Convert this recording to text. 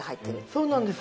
そうなんです。